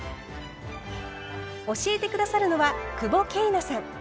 教えて下さるのは久保桂奈さん。